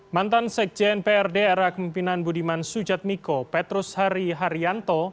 mantan sekjen prd era kemimpinan budiman sujatmiko petrus hari haryanto